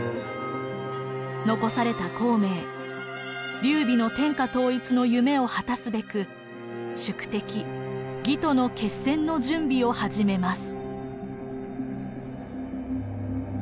残された孔明劉備の天下統一の夢を果たすべく宿敵魏との決戦の準備を始めます。